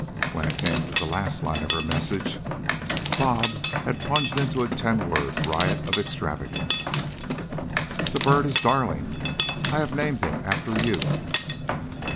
When it came to the last line of her message, "Bob" had plunged into a ten word riot of extravagance. "The bird is darling. I have named him after you."